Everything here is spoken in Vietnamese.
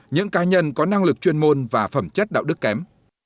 những ca nhân có năng lực chuyên môn và phẩm chất đạo đức kém